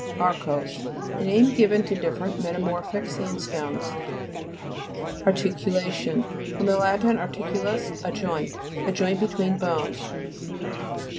ARKOSE A name given to different metamorphic sandstones, (p. 178.) ARTICULA'TION fr. lat. articulus, a joint. A joint betwixt bones.